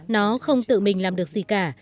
nó không tự mình làm được gì cả